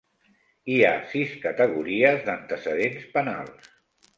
Hi ha sis categories d'antecedents penals.